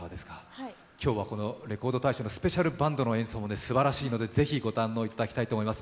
今日はこのレコード大賞のスペシャルバンドの演奏、すばらしいので、ぜひご堪能いただきたいと思います。